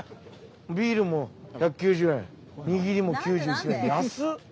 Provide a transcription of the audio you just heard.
ビールも１９０円握りも９９円安っ！